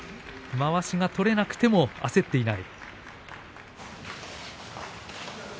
まわしが取れなくても焦っていない。